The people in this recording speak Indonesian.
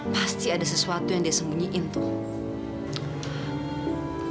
pasti ada sesuatu yang dia sembunyiin tuh